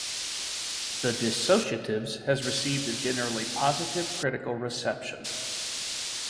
"The Dissociatives" has received a generally positive critical reception.